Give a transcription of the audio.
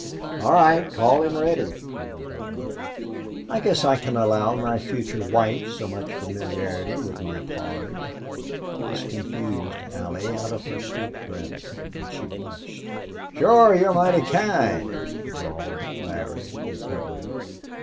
"All right, call him Reddy," he went on. "I guess I can allow my future wife so much familiarity with my pard." This confused Allie out of her sweet gravity, and she blushed. "Shore you're mighty kind," drawled Larry, recovering.